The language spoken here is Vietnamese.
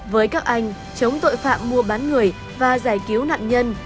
với các anh chống tội phạm mua bán người và giải cứu nạn nhân